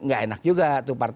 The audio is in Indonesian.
gak enak juga